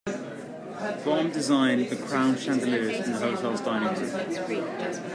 Baum designed the crown chandeliers in the hotel's dining room.